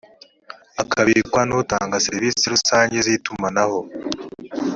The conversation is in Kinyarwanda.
akabikwa n’utanga serivisi rusange z itumanaho